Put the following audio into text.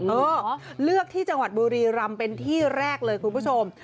เออเลือกที่จังหวัดบุรีรำเป็นที่แรกเลยคุณผู้ชม